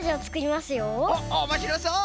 おっおもしろそう！